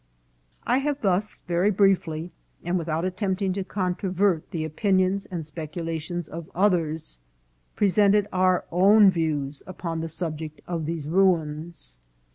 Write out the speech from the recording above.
I have thus very briefly, and without attempting to controvert the opinions and speculations of others, pre sented our own views upon the subject of these ruins.